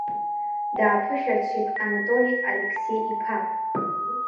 Дааԥышәырччеит Анатоли Алеқсеи-иԥа…